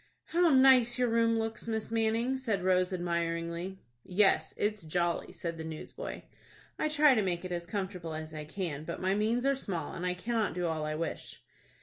"How nice your room looks, Miss Manning!" said Rose, admiringly. "Yes, it's jolly," said the newsboy. "I try to make it as comfortable as I can; but my means are small, and I cannot do all I wish."